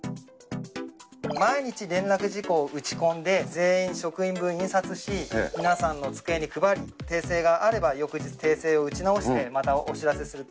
毎日、連絡事項を打ち込んで、全員職員分印刷し、皆さんの机に配り、訂正があれば翌日、訂正を打ち直してまたお知らせする。